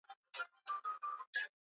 kutoka chama tawala cha Demokrasia